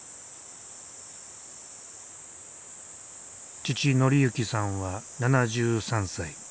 父紀幸さんは７３歳。